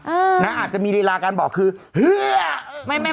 เออน่ะอาจจะมีรีลาการบอกคือฮื้อ